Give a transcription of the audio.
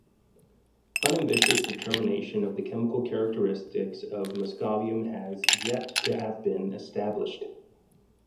Unambiguous determination of the chemical characteristics of moscovium has yet to have been established.